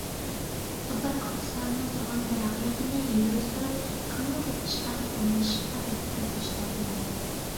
سۇپا ئىقتىسادىنىڭ ساغلام تەرەققىياتىنى ئىلگىرى سۈرۈپ، تېخىمۇ كۆپ ئىشقا ئورۇنلىشىشقا تۈرتكە بولۇش لازىم.